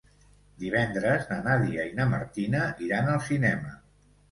Divendres na Nàdia i na Martina iran al cinema.